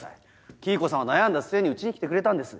黄以子さんは悩んだ末にうちに来てくれたんです。